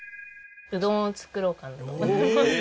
うどんを作ろうかなと思います。